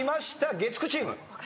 月９チーム。